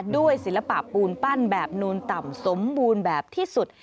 ศิลปะปูนปั้นแบบนูนต่ำสมบูรณ์แบบที่สุด